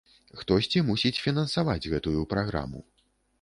Хтосьці мусіць фінансаваць гэтую праграму.